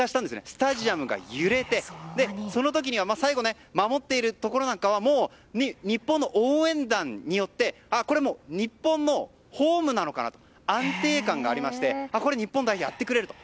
スタジアムが揺れてその時は最後守っているところなんかはもう日本の応援団によってこれはもう日本のホームなのかなと安定感がありましてこれは日本代表がやってくれると。